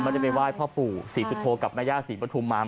ไม่ได้ไปไหว้พ่อปู่ศรีปุฏโภคกับมศรีปทุมมาม